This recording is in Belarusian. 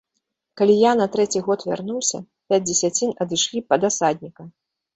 Калі я на трэці год вярнуўся, пяць дзесяцін адышлі пад асадніка.